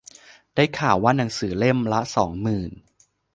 ได้ข่าวว่าหนังสือเล่มละสองหมื่น